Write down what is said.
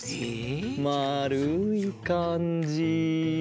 まるいかんじ。